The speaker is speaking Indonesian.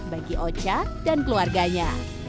bagi oca dan keluarganya